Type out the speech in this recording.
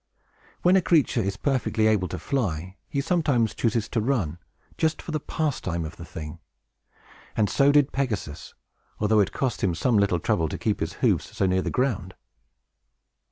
When a creature is perfectly able to fly, he sometimes chooses to run, just for the pastime of the thing; and so did Pegasus, although it cost him some little trouble to keep his hoofs so near the ground.